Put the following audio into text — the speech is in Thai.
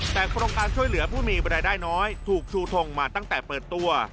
แต่โครงการช่วยเหลือผู้มีเวลาได้น้อยถูกชูทงมาตั้งแต่เปิดตัว